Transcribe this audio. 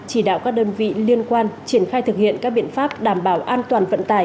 chỉ đạo các đơn vị liên quan triển khai thực hiện các biện pháp đảm bảo an toàn vận tải